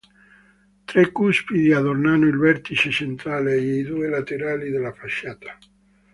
Tre cuspidi adornano il vertice centrale e i due laterali della facciata.